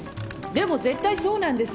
でも絶対そうなんです。